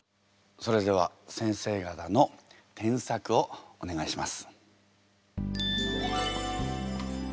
それでは内先生から発表をお願いします。